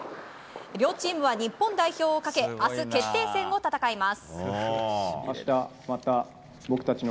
両チームは日本代表をかけ明日、決定戦を戦います。